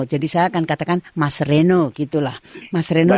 jadi saya akan katakan mas reno